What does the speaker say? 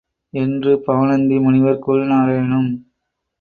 என்று பவணந்தி முனிவர் கூறினாரேனும்